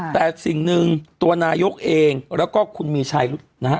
แต่สิ่งหนึ่งตัวนายกเองแล้วก็คุณมีชัยนะฮะ